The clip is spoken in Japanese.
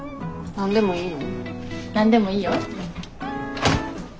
何でもいいよ。